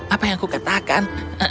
apa yang aku katakan